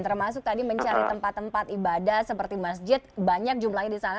termasuk tadi mencari tempat tempat ibadah seperti masjid banyak jumlahnya di sana